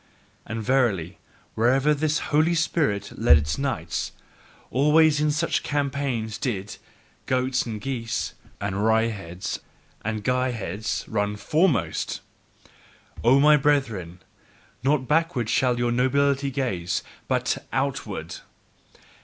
And verily, wherever this "Holy Spirit" led its knights, always in such campaigns did goats and geese, and wryheads and guyheads run FOREMOST! O my brethren, not backward shall your nobility gaze, but OUTWARD!